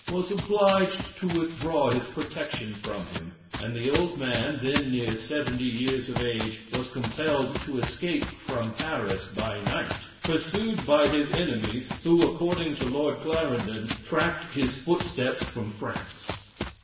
was obliged to withdraw his protection from him, and the old man, then near seventy years of age, was compelled to escape from Paris by night, pursued by his enemies, who, according to Lord Clarendon, tracked his footsteps from France.